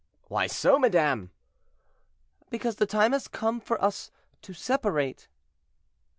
"Why so, madame?" "Because the time has come for us to separate."